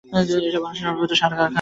এটি বাংলাদেশের সর্ববৃহৎ সার কারখানা।